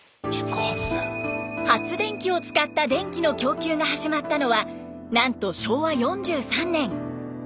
発電機を使った電気の供給が始まったのはなんと昭和４３年。